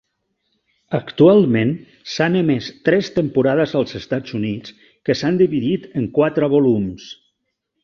Actualment s'han emès tres temporades als Estats Units que s'han dividit en quatre volums.